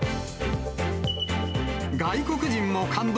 外国人も感動！